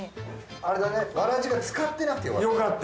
あれだねわらじが浸かってなくてよかった。